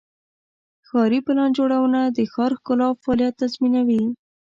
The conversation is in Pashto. ښاري پلان جوړونه د ښار ښکلا او فعالیت تضمینوي.